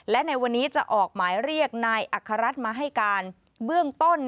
และในวันนี้จะออกหมายเรียกนายอัครรัฐมาให้การเบื้องต้น